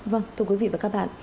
vâng thưa quý vị và các bạn